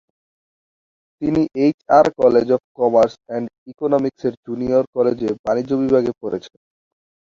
তিনি HR college of commerce and ইকোনমিক্স-এর junior কলেজে বাণিজ্য বিভাগে পড়েছেন।